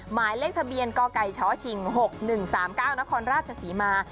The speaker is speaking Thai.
หมายเลขทะเบียนช้อชิงหกหนึ่งสามเก้านครราชศรีมา